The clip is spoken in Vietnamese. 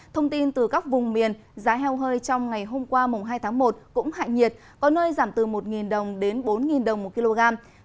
thông tin từ các vùng miền giá heo hơi trong ngày hôm qua mùng hai tháng một cũng hại nhiệt có nơi giảm từ một đồng đến bốn đồng một kg